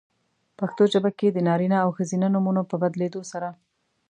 پښتو ژبه کې د نارینه او ښځینه نومونو په بدلېدو سره؛